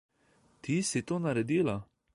Ti si to naredila?